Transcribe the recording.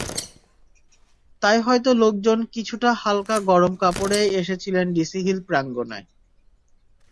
তাই হয়তো লোকজন কিছুটা হালকা গরম কাপড়েই এসেছিলেন ডিসি হিল প্রাঙ্গণে।